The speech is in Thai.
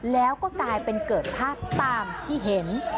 แล้วก็กลายเป็นเกิดภาพตามที่เห็น